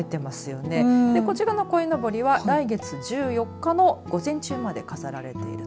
こちらのこいのぼりは来月１４日の午前中まで飾られていると。